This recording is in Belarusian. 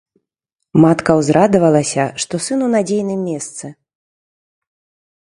Матка ўзрадавалася, што сын у надзейным месцы.